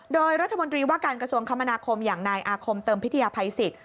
โดยรัฐมนตรีว่าการกระทรวงคมนาคมอย่างนายอาคมเติมพิทยาภัยสิทธิ